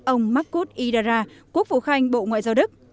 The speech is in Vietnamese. ông makut idara quốc phụ khanh bộ ngoại giao đức